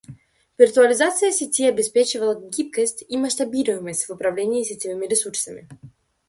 Виртуализация сети обеспечивала гибкость и масштабируемость в управлении сетевыми ресурсами.